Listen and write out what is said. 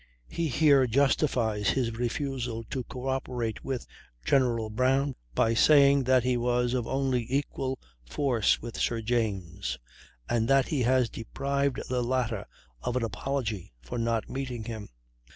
He here justifies his refusal to co operate with General Brown by saying that he was of only equal force with Sir James, and that he has deprived the latter of "an apology" for not meeting him.